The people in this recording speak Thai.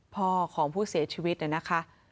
พ่อของผู้เสียชีวิตนะคะ